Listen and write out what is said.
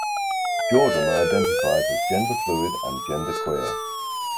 Jordan identifies as genderfluid and genderqueer.